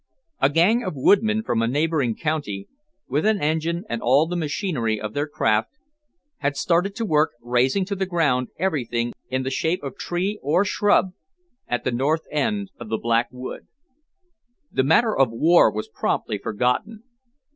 A gang of woodmen from a neighbouring county, with an engine and all the machinery of their craft, had started to work razing to the ground everything in the shape of tree or shrub at the north end of the Black Wood. The matter of the war was promptly forgotten.